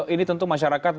ini tentu masyarakat